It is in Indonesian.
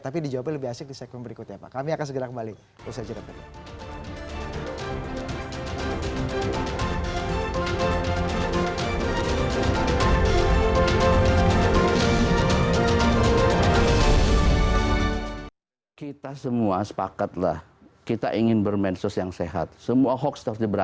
tapi dijawabnya lebih asik di segmen berikutnya pak